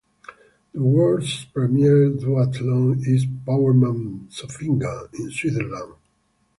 The World's premier duathlon is Powerman Zofingen, in Switzerland.